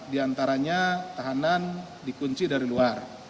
di antaranya tahanan dikunci dari luar